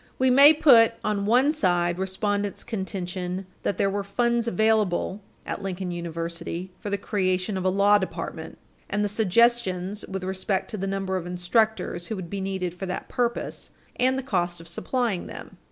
We may put on one side respondent's contention that there were funds available at Lincoln University for the creation of a law department and the suggestions with respect to the number of instructors who would be needed for that purpose and the cost of supplying them.